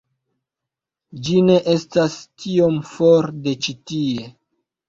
Ĝi ne estas tiom for de ĉi tie